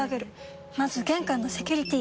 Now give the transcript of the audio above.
まず玄関のセキュリティ！